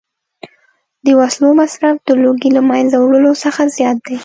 د وسلو مصرف د لوږې له منځه وړلو څخه زیات دی